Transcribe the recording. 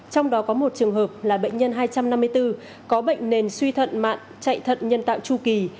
trong đó có một trường hợp là bệnh nhân hai trăm năm mươi bốn có bệnh nền suy thận mạn chạy thận nhân tạo chu kỳ